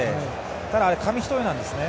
ただ、紙一重なんですね。